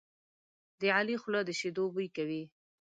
د علي خوله د شیدو بوی کوي.